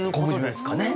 ですかね